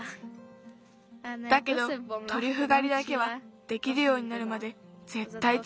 だけどトリュフがりだけはできるようになるまでぜったいつづける。